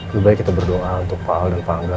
lebih baik kita berdoa untuk pahala dan pak angga